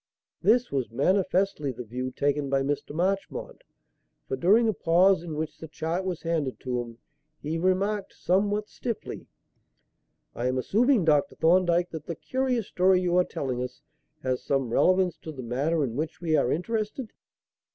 This was manifestly the view taken by Mr. Marchmont, for, during a pause in which the chart was handed to him, he remarked somewhat stiffly: "I am assuming, Dr. Thorndyke, that the curious story you are telling us has some relevance to the matter in which we are interested."